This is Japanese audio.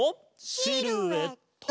シルエット！